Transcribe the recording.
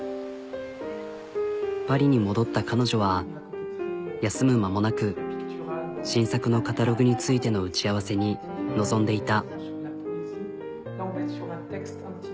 パリに戻った彼女は休む間もなく新作のカタログについての打ち合わせに臨んでいた。